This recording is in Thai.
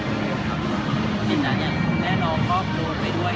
ถ้ามักง่ายอย่างนั้นก็ต้องเหลื่อยใจ